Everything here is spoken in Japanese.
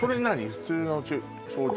普通の焼酎？